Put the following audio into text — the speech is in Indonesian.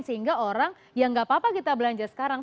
sehingga orang ya nggak apa apa kita belanja sekarang